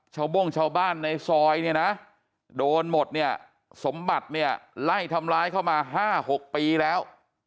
โบ้งชาวบ้านในซอยเนี่ยนะโดนหมดเนี่ยสมบัติเนี่ยไล่ทำร้ายเข้ามา๕๖ปีแล้ว